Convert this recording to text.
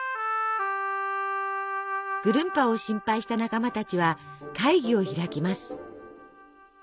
ぐるんぱを心配した仲間たちは会議を開きます。